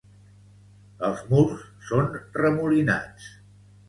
Els murs són remolinats.